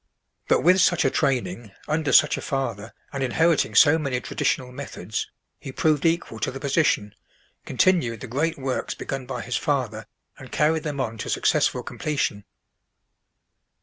But with such a training, under such a father, and inheriting so many traditional methods, he proved equal to the position, continued the great works begun by his father, and carried them on to successful completion.